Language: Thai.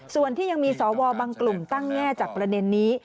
ส่วนที่ยังมีสวบางกลุ่มตั้งแง่จากประเด็นนี้